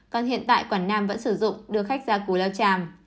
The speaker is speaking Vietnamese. còn hiện tại quảng nam vẫn sử dụng đưa khách ra cù lao tràm